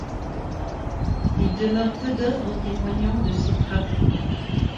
Il demeure peu d'œuvres témoignant de ses travaux.